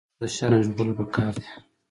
موټر د شر نه ژغورل پکار دي.